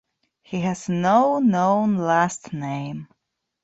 He has no known last name.